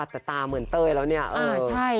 แต่ตาเหมือนเต้ยแล้วเนี่ย